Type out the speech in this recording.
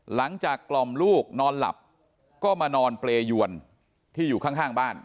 กล่อมลูกนอนหลับก็มานอนเปรยวนที่อยู่ข้างบ้าน